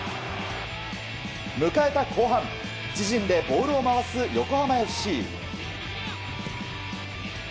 迎えた後半自陣でボールを回す横浜ＦＣ。